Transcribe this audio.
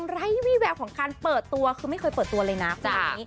ที่แวะของการเปิดตัวคือไม่เคยเปิดตัวเลยนะ